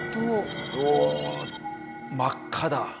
うお真っ赤だ！